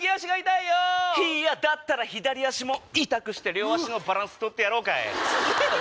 いやだったら左足も痛くして両足のバランス取ってやろうかい！